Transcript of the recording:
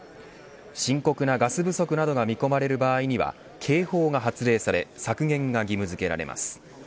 深刻なガス不足などが見込まれる場合には警報が発令され削減が義務付けられます。